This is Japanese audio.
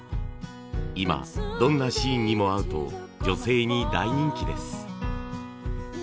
今どんなシーンにも合うと女性に大人気です。